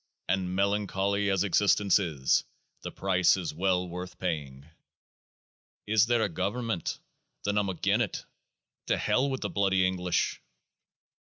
And melancholy as existence is, the price is well worth paying. Is there is a Government? then I'm agin it ! To Hell with the bloody English